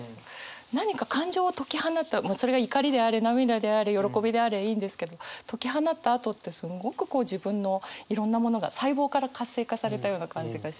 何か感情を解き放ったそれが怒りであれ涙であれ喜びであれいいんですけど解き放ったあとってすんごくこう自分のいろんなものが細胞から活性化されたような感じがして。